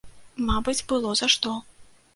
Мабыць, было за што.